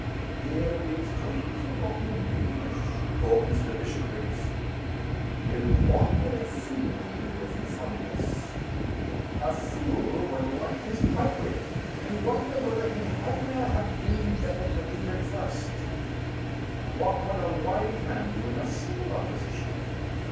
"Here it is, clean forgotten and dune with!" thought Mr. Bishopriggs. "Noo what would a fule do, if he fund this? A fule wad light his pipe wi' it, and then wonder whether he wadna ha' dune better to read it first. And what wad a wise man do, in a seemilar position?"